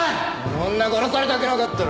女殺されたくなかったら。